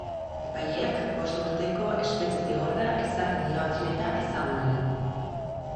Epaileak bost urteko espetxe-zigorra ezarri dio atleta ezagunari.